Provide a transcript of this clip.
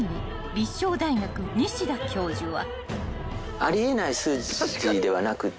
立正大学西田教授は］